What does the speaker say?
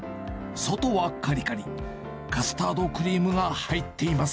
外はかりかり、カスタードクリームが入っています。